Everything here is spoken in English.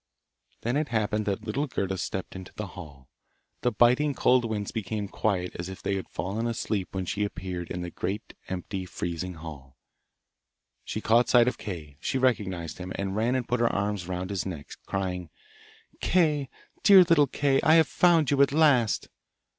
Then it happened that little Gerda stepped into the hall. The biting cold winds became quiet as if they had fallen asleep when she appeared in the great, empty, freezing hall. She caught sight of Kay; she recognised him, and ran and put her arms round his neck, crying, 'Kay! dear little Kay! I have found you at last!